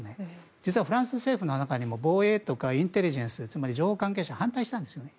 実はフランス政府の中にも防衛とかインテリジェンス情報関係者は反対したんです。